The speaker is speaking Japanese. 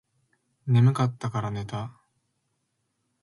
眠かったらから寝た